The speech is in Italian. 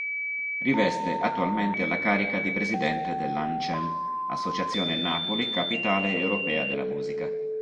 Riveste attualmente la carica di presidente dell'Ancem, Associazione Napoli Capitale Europea della Musica.